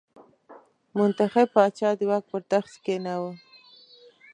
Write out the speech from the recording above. منتخب پاچا د واک پر تخت کېناوه.